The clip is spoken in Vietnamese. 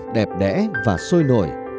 đẹp đẽ và sôi nổi